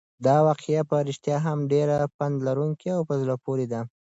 دا واقعه په رښتیا هم ډېره پنده لرونکې او په زړه پورې ده.